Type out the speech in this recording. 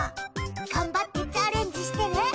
がんばってチャレンジしてね。